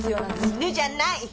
犬じゃない！